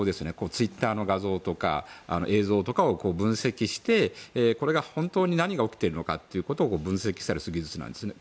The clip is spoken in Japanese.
ツイッターの画像とか映像とかを分析してこれが本当に何が起きているのかということを分析する技術なんですね。